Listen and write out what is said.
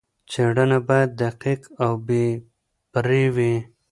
څېړنه باید دقیق او بې پرې وي.